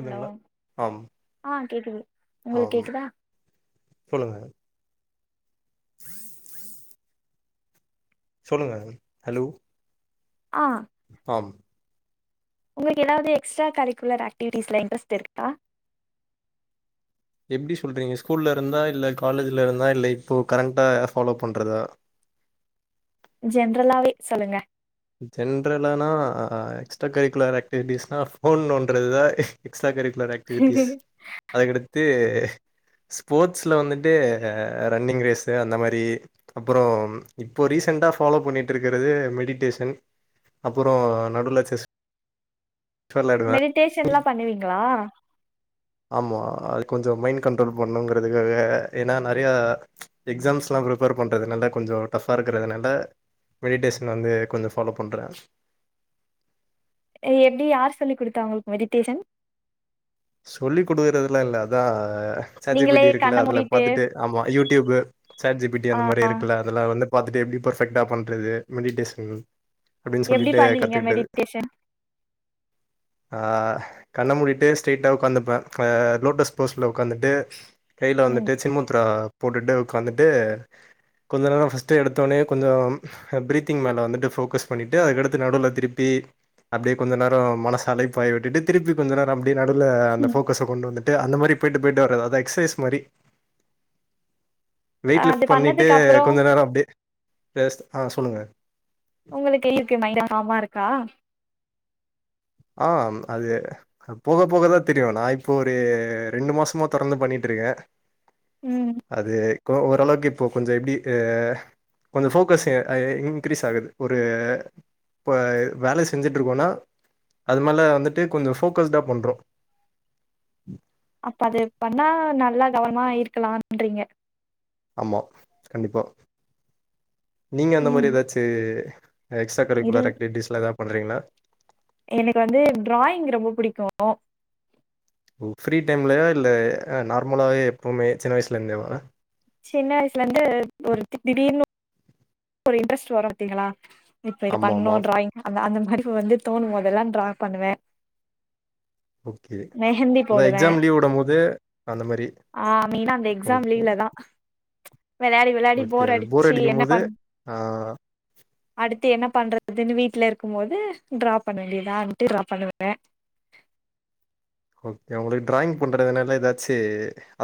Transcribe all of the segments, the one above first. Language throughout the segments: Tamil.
ஹலோ ஆம் ஆ கேக்குது உங்களுக்கு ஆம் கேக்குதா சொல்லுங்க சொல்லுங்க ஹலோ ஆ ஆம் உங்களுக்கு ஏதாவது எக்ஸ்ட்ரா கரிக்குலர் ஆக்டிவிட்டிஸ்ல இன்டரெஸ்ட் இருக்கா எப்டி சொல்றீங்க ஸ்கூல்ல இருந்தா இல்ல காலேஜ்ல இருந்தா இல்ல இப்போ கரன்ட்டா ஃபாலோ பண்றதா ஜென்ரலாவே சொல்லுங்க ஜென்ரலானா எக்ஸ்ட்ரா கரிக்குலர் ஆக்டிவிட்டிஸ்னா ஃபோன் நோன்றதுதா எக்ஸ்ட்ரா கரிக்குலர் ஆக்டிவிட்டிஸ் அதுக்கடுத்து ஸ்போர்ட்ஸ்ல வந்துட்டு ரன்னிங் ரேஸு அந்த மாரி அப்பறோ இப்போ ரீசன்டா ஃபாலோ பண்ணிட்டு ருக்கிறது மெடிடேஸ் சன் அப்பறோ நடுல செஸ் வெளாடுவே மெடிடேஷன்லா பண்ணுவீங்களா ஆமா அது கொஞ்சோ மைண் கண்ட்ரோல் பண்ணுங்கிறதுக்காக ஏன்னா நெறைய எக்ஸாம்ஸ்ல எல்லா ப்ரிப்பர் பண்றதுனால்ல கொஞ்சோ டஃபா இருக்கிறதுனால மெடிட்டேஷன் வந்து கொஞ்சோ ஃபாலோ பண்றே ஏ எப்டி யார் சொல்லி கொடுத்தா உங்களுக்கு மெடிடேஷன் சொல்லி கொடுக்கறதுல்லா இல்ல அதா சாட் ஜி பி நீங்களே ட்டி இருக்குல கண்ண அதல மூடிட்டு பாத்துட்டு ஆமா YouTube chat G P T ஆ அந்த மாரி இருக்குல அதல வந்து பாத்துட்டு எப்டி பெர்ஃபெக்ட்டா பண்றது மெடிடேஷன் அப்டின்னு எப்டி சொல்லிட்டு பண்ணுவீங்க கத்துக்கிட்டே மெடிடேஷன் ஆ கண்ண மூடிட்டு ஸ்டேட்டா உட்காந்துப்பே லோட்டஸ் போஸ்ல உட்காந்துட்டு கையில் ம் வந்துட்டு சின்முத்துரா போட்டுட்டு உட்காந்துட்டு கொஞ்ச நேரோ ஃபஸ்ட்டு எடுத்தோனே கொஞ்சோ பிரீத்திங் மேல வந்துட்டு ஃபோக்கஸ் பண்ணிட்டு அதுக்கடுத்து நடுவுல திருப்பி அப்டியே கொஞ்ச நேரோ மனச அலை பாயவிட்டுட்டு திருப்பி கொஞ்ச நேரோ அப்டியே நடுல அந்த போக்கஸ்ஸ கொண்டு வந்துட் அந்த மாரி போயிட்டு போயிட்டு வரது அது எக்ஸர்சைஸ் மாரி வெயிட் அது லிஃப்ட் பண்ணிட்டு பண்ணதுக்கு அப்புறோ கொஞ்ச நேரோ அப்டியே ஆ சொல்லுங்க உங்களுக்கு இருக்கு நைட்டு காமா இருக்கா ஆம் அது போக போகதா தெரியு நா இப்போ ஒரு ரெண்டு மாசமா தொடர்ந்து பண்ணிட்டு இருக்கே ம் அது ப்போ ஓரளவுக்கு இப்போ கொஞ்சோ எப்டி இருக்கு கொஞ்சோ ஃபோக்கஸ் ஆ இன்கிரீஸ் ஆகுது ஒரு இப்போ வேல செஞ்சுட்டு இருக்கோன்னா அது மாரிலா வந்துட்டு கொஞ்சோ ஃபோக்கஸ்ட்டா பண்றோ அப்ப அது பண்ணா நல்லா கவனமா இருக்கலான்ரீங்க ஆமா கண்டிப்பா நீங்க அந்த ம் மாதிரி ஏதாச்சு எக்ஸ்டரா இல் கரிக்குலர் ஆக்டிவிட்டிஸ்ல்ளா எதா பன்றீங்களா எனக்கு வந்து டிராயிங் ரொம்ப பிடிக்கு ஃப்ரீ டைம்லய இல்ல நார்மலாவே எப்பவுமே சின்ன வயசுல இருந்தேவா சின்ன வயசுல இருந்து ஒரு திடீர்னு ஒரு இன்டரெஸ்ட் வரு பாத்தீங்களா இப்ப இத ஆமா பண்ணு ஆமா டிராயிங் அது அந்த மாரி வந்து தோணும் போதெல்லா டிரா பண்ணுவே ஓகே மெஹந்தி அதா போடுவே எக்ஸாம் லீவ் விடும் போது அந்த மாதிரி ஆ மெய்னா அந்த எக்ஸாம் லீவ்ல தா வெளாடி வெளாடி ஓகே போர் அது அடிச்சு என்ன அடிக்கும்போது பண் ஆ அடுத்து என்ன பண்றதுன்னு வீட்ல இருக்கும்போது ட்ரா பண்ண வேண்டியதான்ட்டு ட்ரா பண்ணுவே ஓகே உங்களுக்கு ட்ராயிங் பண்றதுனால ஏதாச்சு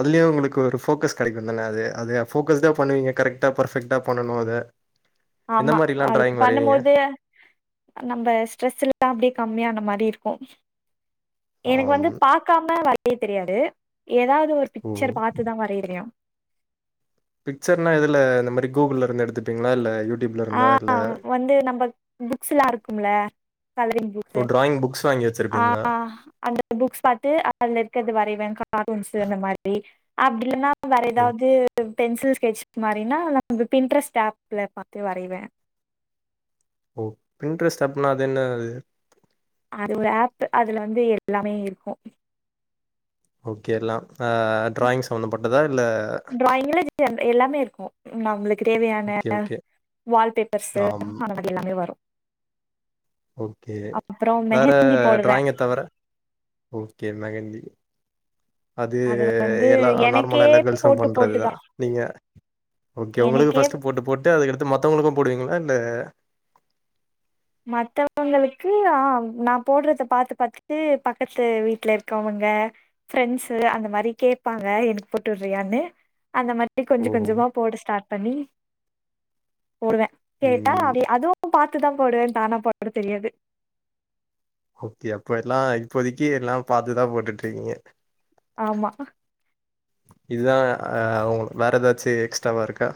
அதுலயு உங்களுக்கு ஒரு ஃபோக்கஸ் கிடைக்கு தானே அது அது ஃபோகஸ்டா பண்ணுவீங்க கரெக்டா ஃபர்பெக்ட்டா பண்ணனு அத எந்த ஆமா மாரிலா அது டிராயிங் பண்ணு வரைவீங்க? போது நம்ம ஸ்ட்ரெஸ் இருந்தா அப்டியே கம்மியான மாரி இருக்கு எனக்கு ஆம் வந்து பா பக்காம வரைய தெரியாது ஏதாவது ஒரு ஓ பிக்சர் பார்த்துதா வரைய தெரியு பிக்சர்லா எதுல இந்த மாதிர கூகுள் இருந்து எடுத்துப்பீங்களா இல்ல யூ ஆ வந்து நம்ம புக்ஸ் எல்லா இருக்கும்ல கலரிங் புக்ஸ் ஓ டிராயிங் புக்ஸ் வாங்கி ஆ வச்சிருப்பீங்களா? ஆ அந்த புக்ஸ் பாத்து அதுல இருக்கது வரைவே கார்ட்டூன்ஸ் அந்த மாதிரி அப்டி இல்லனா வேர ஓ எதாவது பென்சில் ஸ்கெட்சஸ் மாதிரின்னா ந பிட்ரெஸ்ட் ஆப்ல பார்த்து வரைவே ஓ பின்ட்ரஸ்ட் அப்புன்னா அது என்ன அது அது ஒரு ஆப்பு அதுல வந்து எல்லாமே இருக்கும் ஓகே எல்லாம் ஆ ட்ராயிங் சமந்தப்பட்டதா இல்ல டிராயிங்ல எல்லாமே இருக்கும் நம்ளுக்கு தேவயான ஓகே, ஓகே. வால் பேப்பர்ஸ்ஸு ஆம். எல்லாமே வரும் ஓக்கே அப்புறோ வேற மெஹந்தி போடுவே ட்ராய்ங்க தவர ஓக்கே மெகந்தி அது வந்து எல்லா எனக்கே நார்மலா எல்லா கேர்ள்ஸும் போட்டு பண்றதுதா போட்டுதா நீங்க ஓக்கே உங்குளுக்கு எனக்கே ஃபஸ்ட்டு போட்டு போட்டு அதுக்கடுத்து மத்தவுங்ளுக்கும் போடுவிங்களா இல்ல மத்தவங்களுக்கு ஆ நா போட்றத பாத்து பாத்துட்டு பக்கத்து வீட்ல இருக்கவுங்க ஃப்ரண்ட்ஸ்ஸு அந்த மாரி கேப்பாங்க எனக் போட்டு உட்றியானு அந்த மாரி கொஞ்சோ ஓஹோ! கொஞ்சமா போட ஸ்டாட் பண்ணி போடுவே கேட்டா ம். அதுவு பாத்துதா போடுவே தானா போட தெரியாது ஓக்கே அப்ப எல்லா இப்போதிக்கு எல்லா பாத்துதா போட்டுட்ருக்கிங்க ஆமா இதுதா ஆ உங்குள் வேற எதாச்சி எக்ஸ்ட்ராவாருக்கா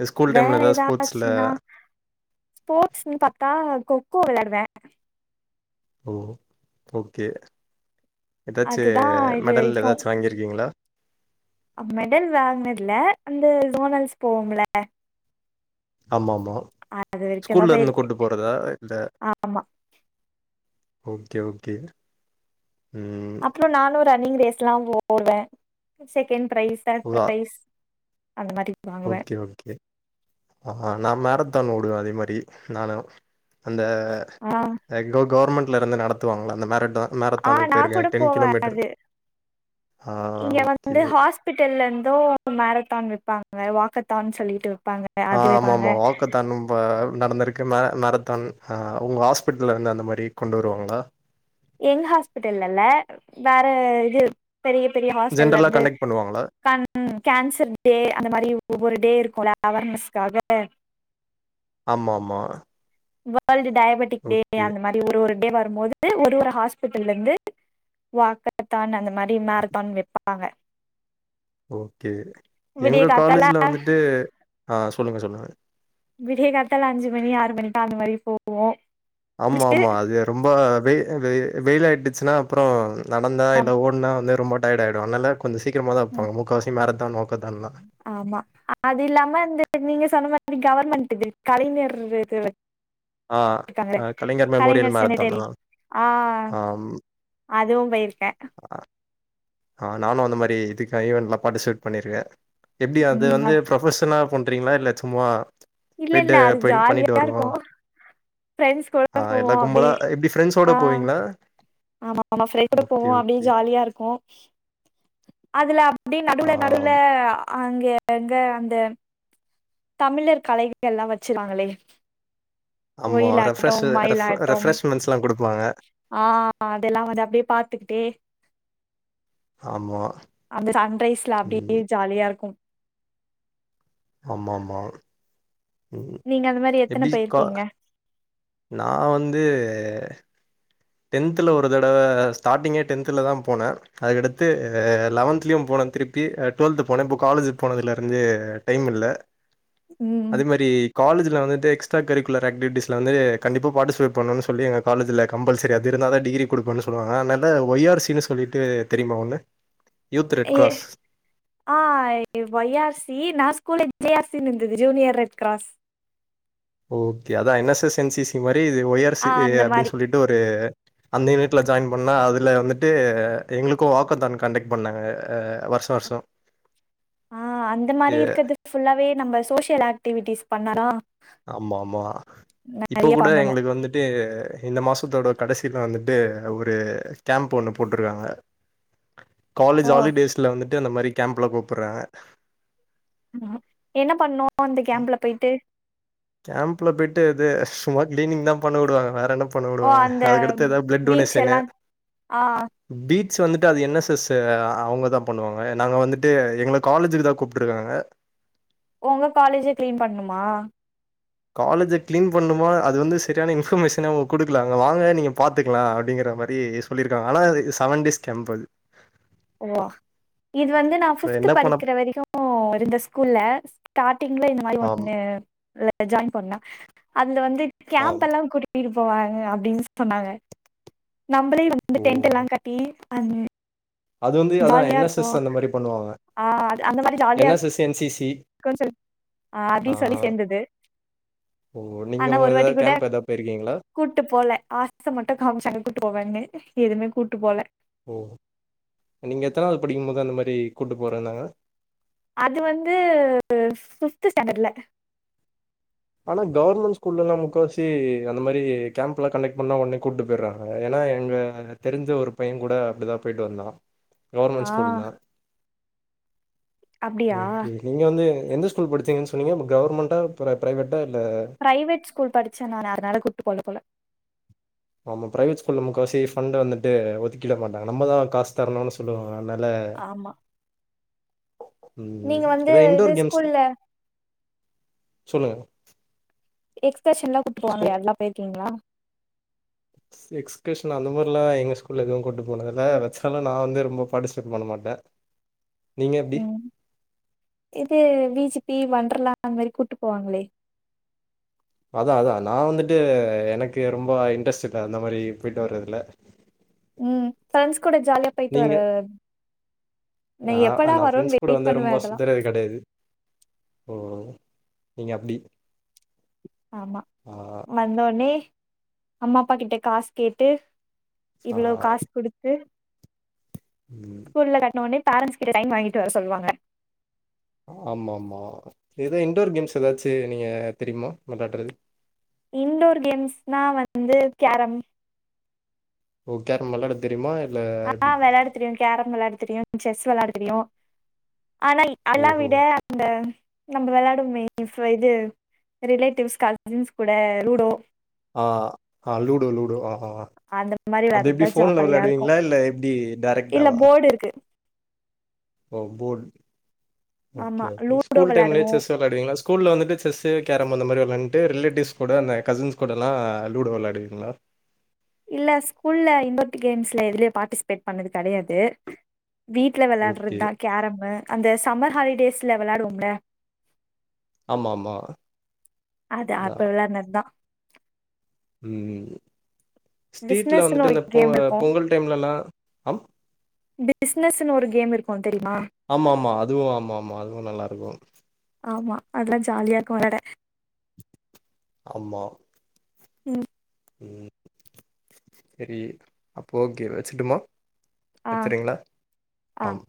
இது ஸ்கூல் வேற டைம்ல எதாது ஸ்போர்ட்ஸ்ல ஸ்போட்ஸ்னு பாத்தா கொக் கோ வெளாடுவே ஓ ஓக்கே எதாச்சி அதுதா இது மெடல் வரைக்கு எதாச்சி வாங்கிர்க்கிங்ளா மெடல் வாங்னத்ல அந்த சோனல்ஸ் போவோம்ல ஆமா ஆமா அது வரைக்குந்தா ஸ்கூல்லருந்து போயிருக்கு கூட்டு போறதா இல்ல ஆமா ஓக்கே ஓக்கே ம் இப்ப நானு ரன்னிங் ரேஸ்லா போவே செகேண்ட் ப்ரைஸ் தேர்ட் ப்ரைஸ் அந்த மாரி வாங்குவே ஓக்கே ஓக்கே ஆ நா மேரத்தான் ஓடுவே அதே மாரி நானு அந்த ஆ க கவுர்மண்ட்லருந்து நடத்துவாங்ள அந்த மேரத்தான் ஆ மேரத்தானுக்கு நா போயிருக்கே கூட டென் போவே கிலோமீட்டரு ஆ ஓக்கே பிட்டல்லர்ந்தும் மேரத்தான் வெப்பாங்க வாக்கத்தான் சொல்லிட்டு வெப்பாங்க ஆ ஆமா ஆமா வாக்கத் தா நம்ப நடந்துருக்கு மேரத்தான் உங்க ஹாஸ்பிட்லருந்து அந்த மாரி கொண்டு வருவாங்ளா எங் ஹாஸ்பிட்டல்லல்ல வேற இது பெரிய பெரிய ஜென்ரலா ஹாஸ்டல்லருந்து கண்டக்ட் பண்ணுவாங்களா கண் ம் கேன்சர் டே அந்த மாரி ஒவ்வொரு டே இருக்கும்ல அவர்னஸ்க்காக ஆமா ஆமா வோர்ல்ட்டு டயபெட்டிக் டே ஓகே அந்த மாரி ஒரு ஒரு டே வரும்மோது ஒரு ஒரு ஹாஸ்பிட்டல்லந்து வாக்கத்தான் அந்த மாரி மேரத்தான் வெப்பாங்க ஓக்கே விடிய எங்க காத்தால காலேஜ்ல வந்துட்டு ஆ சொல்லுங்க சொல்லுங்க விடிய காத்தால அஞ்சு மணி ஆறு மணிக்கா அந்த மாரி போவோ ஆமா முடிச்சுட்டு ஆமா அது ரொம்ப வெ வெய் வெய்லாய்டுச்சுன்னா அப்றோ நடந்தா இல்ல ஓட்னா வந்து ரொம்ப டயர்ட் ஆய்டு அதனால கொஞ்சோ சீக்கிரமா தா ம் வெப்பாங்க முக்கா வாசி மேரத்தா வோக்கத்தான்லா ஆமா அது இல்லாம இந்த நீங்க சொன்ன மாரி கவர்மண்ட்டுது கலைஞர் இது ஆ வெப்பாங்களே அ மெமோரியல் கலைஞர் மேரத்தான். ஆ செனட்டரி ஆ ஆம். அதுவு போய்ர்க்க அ ஆ நானு அந்த மாரி இதுக்காகவே நா பாட்டிஸ்வேட் பண்ணிருக்க எப்டி அது வந்து ப்ரொபஷனா பண்றிங்ளா இல்ல சும்மா இல்ல இல்ல போய்ட்டு அது பண்ணிட்டு ஜாலியா வருவோ இருக்கு ஃப்ரெண்ட்ஸ் கூட ஆ போவோ எல்லா அப்டி கும்பலா எப்டி ஃப்ரெண்ட்ஸோட ஆ போவிங்ளா ஆமா ஆமா ஃபிரைட்டுல போவோ அப்டியே ஜாலியா இருக்கும் அதுல அப்டி நடுவுல நடுவுல ஆம். அங்க அங்க அந்த தமிழர் கலைகள் எல்லா வச்சிருவாங்களே ஆமா ஒயிலாட்டம் ரெஃப்ரெஷு ரெஃப் மயிலாட்டம் ரெஃப்ரஷ்மெண்ட்ஸ்லா குடுப்பாங்க ஆ அதெல்லாவது அப்டே பாத்துக்கிட்டே ஆமா. அந்த சன்ரைஸ்ல அப்டியே ம். ஜாலியா இருக்கும் ஆமா ஆமா நீங்க அந்த மேரி எத்தன கா பேயிருக்கீங்க நா வந்து டென்த்துல ஒரு தடவ ஸ்டார்டிங்கே டென்த்துல தா போன அதுக்கடுத்து லெவன்த்லியு போன திருப்பி டுவெல்த்து போன இப்போ காலேஜிக்கு போனதுல இருந்து டைம் இல்ல அது மேரி காலேஜில வந்துட்டு எக்ஸ்டா கரிக்குலர் ஆக்டிவிட்ஸ்ல வந்து கண்டிப்பா பாட்டு செலக்ட் பண்ணனு சொல்லி எங்க காலேஜில கம்பல் சரி அது இருந்தாதா டிகிரி குடுப்பனு சொல்லுவாங்க அதனால ஒய் ஆர் சின்னு சொல்லிட்டு தெரியுமா ஒண்ணு ஏ ஆ ஒய் ஆர் சி நா ஸ்கூல ஜே ஆர் சின் இருந்தது ஜூனியர் ரெட் கிராஸ் ஓகே அதா N S S N C C மாரி இது ஒய் ஆர் சி ஆ அந்த மாரி அப்டின் சொல்லிட்டு ஒரு அந்த யூனிட்ல ஜாயின் பண்ணா அதுல வந்துட்டு எங்களுக்கு வாக்கதான் காண்டக்ட் பண்ணாங்க ஆ வருஷ வருஷ ஆ அந்த மாரி இருக்குது ஃபுல்லாவே நம்ப‌ சோசியல் ஆக்டிவிட்டிஸ் பண்ணலா ஆமா ஆமா இப்போ நெறைய கூட பண்ணனு எங்களுக்கு வந்து ட்டு இந்த மாசத்தோட கடைசில வந்துட்டு ஒரு கேம்ப் ஒன்னு போட்டுருக்காங்க காலேஜி ஓ ஹாலிடேஸ்ல வந்துட்டு அந்த மாரி கேம்ப்ல கூப்பற ஆமா என்ன பண்ணணு அந்த கேம்ப்ல போயிட்டு கேம்ப்ல போயிட்டு அது சும்மா கிளீனிங் தா பண்ண உடுவாங்க வேற என்ன பண்ண ஓ உடுவாங்க அந்த அதுக்கடுத்து எதா பிளட் பீச் டொனேஷனு எல்லா ஆ பீட்ஸ் வந்துட்டு அது என் எஸ் எஸு ஆ அவுங்க தா பண்ணுவாங்க நாங்க வந்துட்டு எங்கள காலேஜிக்கு தா கூப்ட்டுருக்காங்க ஒங்க காலேஜ கிளீன் பண்ணுமா காலேஜ கிளீன் பண்ணுமா அது வந்து சரியான இன்பர்மேஷனே அவுங்க குடுக்கல அங்க வாங்க நீங்க பாத்துக்கிலா அப்டிங்கிற மாரி சொல்லிருக்காங்க ஆனா இது செவன் டேஸ் கேம்ப் அது ஓ இது வந்து நா ஃபிப்த்து என்ன பண்ண படிக்கிற வரிக்கும் இருந்த ஸ்கூல்ல ஸ்டாரிங்கில இந்த மாரி ஆம், ஒண்ணு ஜாய்ன் பண்ண அதுல வந்து கேம்ப் ஆம். எல்லா கூட்டி ட்டு போவாங்க அப்டின் சொன்னாங்க நம்பளே வந்து ஓ! டென்ட்டெல்லா கட்டி அ அது வந்து அதா என் எஸ் எஸ் அந்த மாரி பண்ணுவாங்க ஆ N S S N C C கன் சொல் ஆ அப்டி சொல்லி சேந்தது ஓ நீங்க ஆனா உங்க ஒரு எதா வாட்டி கூட கேம்ப் எதா போயிருக்கீங்களா கூட்டு போல ஆச மட்டு காம்சாங்க கூட்டு போவேன்னு எதுவுமே கூட்டு போல ஓ நீங்க எத்தனாவது படிக்கமோது அந்த மாரி கூட்டு போறேன்னாங்க அது வந்து பிஃப்து ஸ்டாண்டர்ல ஆனா கவுர்மெண்ட் ஸ்கூல்லலா முக்கா வாசி அந்த மாரி கேம்ப்லா கண்டக்ட் பண்ணா ஒடனே கூட்டு போயிறாங்க ஏனா எங்க க தெரிஞ்ச ஒரு பையன் கூட அப்டிதா போய்ட்டு வந்தான் கவுர்மெண்ட் ஆ ஸ்கூல் தா அப்டியா ஓகே நீங்க வந்து எந்த ஸ்கூல் படிச்சிங்கன் சொன்னீங்க கவர்மெண்ட்டா பிர பிரைவேட்டா இல்ல பிரைவேட் ஸ்கூல் படிச்சே நானு அதனால கூட்டு போக போல ஆமா பிரைவேட் ஸ்கூல்ல முக்காவாசி பண்ட்டு வந்துட்டு ஒதுக்கிட மாட்டாங்க நம்ம தா காஸ் தரணுன்னு சொல்லுவாங்க அனால ஆமா உம் நீங்க வந்து எதோ இது இன்டோர் கேம்ஸ் ஸ்கூல்ல சொல்லுங்க எக்ஸ்பர்ஷன்லா கூட்டு ஸ்கூல் போவாங்களே அதெல்லா போயிருக்கீங்ளா எக்ஸ்கர்ஷன் அந்த மாறில்லா எங்க ஸ்கூல்ல எதுவு கூட்டு போனதில்லை வச்சாலு நா வந்து ரொம்ப பார்டிசிபேட் பண்ண மாட்டே நீங்க எப்டி ம் இது வி ஜி பி வண்ட்ரல்லா அந்த மாறி கூட்டு போவாங்களே அத்தா அத்தா நா வந்துட்டு எனக்கு ரொம்ப இன்ட்ரெஸ்ட் இல்ல அந்த மாறி போயிட்டு வரதுல்ல உம் ஃப்ரெண்ட்ஸ் கூட ஜாலியா போயிட்டு நீங்க? வரு நா நா ஃப்ரெண்ட்ஸ் வருன்னு கூட வெயிட் வந்து பண்ணுவே ரொம்ப அதெல்லா சுத்தரக்கு கிடையாது ஓ நீங்க அப்டி ஆமா ஆ வந்த உட்னே அம்மா அப்பா கிட்ட காசு கேட்டு ஆ இவ்ளோ காஸ் குடுத்து ம் ஸ்கூல்ல கட்ண உட்னே பேரன்ஸ் கிட்ட சைன் வாங்கிட்டு வர சொல்லுவாங்க ஆமா ஆமா ஏதோ இன்டோர் கேம்ஸ் ஏதாச்சு நீங்க தெரியுமா மேலாட்றது இன்டோர் கேம்ஸ்னா வந்து கேரம் ஓ கேரம் விளாட தெரியுமா இல்ல ஆ எப்டி வெளாட தெரியு கேரம் வெளாட தெரியு செஸ் வெளாட தெரியு ஆனா எல்லா ஓஹோ விட இந்த நம்ப வெளாடுவமே இஃப் இது ரிலேட்டிவ்ஸ் கசின்ஸ் கூட லூடோ ஆ ஆ லூடோ லூடோ ஓ ஆ அந்த மாரி அத் எப்டி வெளாட்றதுதா ஃபோன்ல ஜாலியா வெளாடுவீங்ளா இல்ல எப்டி டேரெக்டாவா இப்டி இருக்கு ஓ போட் ஓக்கே ஆமா ஓக்கே லூடோ ஸ்கூல் டைம்லயே வெளாடுவோ செஸ் வெ ளாடுவீங்ளா ஸ்கூல்ல வந்துட்டு செஸ்சு கேரம் அந்த மாறி வெளாண்டு ரிலேட்டிவ்ஸ் கூட அந்த கசின்ஸ் கூடல்லா லுடோ விளாடுவீங்ளா இல்ல ஸ்கூல்ல இன்டோர் கேம்ஸ்ல எதுலயு பாட்டிசிபேட் பண்ணது கிடையாது வீட் ல ஓகே. வெளாட்றதுதா கேரமு அந்த சம்மர் ஹாலிடேஸ்ல வெளாடுவோமில்ல ஆமாமா. அது அப்ப அதான். வெளாண்டதுதா ம் ம் ஸ்டிட்ல பிசினஸ்ன்னு வந்துட்டு ஒரு இந்த பொ கேம் இருக்கு பொங்கல் டைம்ல எல்லா அம் பிஸ்னஸ்னு ஒரு கேம் இருக்கும் தெரியுமா ஆமா ஆமா அதுவு ஆமா ஆமா அதுவு நல்லாருக்கு ஆமா அதெல்லா ஜாலியா இருக்கும் வெளாட ஆமா ம் உம் சரி அப்போ ஓக்கே வச்சுட்டுமா ஆ வச்சட்றீங்ளா ஆ ஆம்